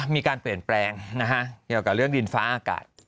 มีการเปลี่ยนแปลงเกี่ยวกับเรื่องดินฟ้าอากาศ